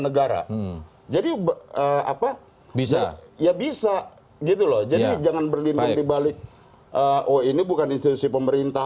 negara jadi apa bisa ya bisa gitu loh jadi jangan berlindung dibalik oh ini bukan institusi pemerintah